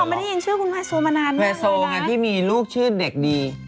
หูเราไม่ได้ยินชื่อคุณแวโซมานานมากเลยนะแวโซค่ะที่มีลูกชื่อเด็กดี